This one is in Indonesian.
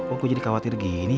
kok gue jadi khawatir gini ya